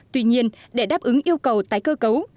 tuy nhiên để đáp ứng yêu cầu tái cơ cấu